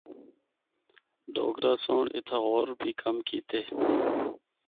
ڈوگرہ سنڑ اِتھا ہور بھی کم کیتے۔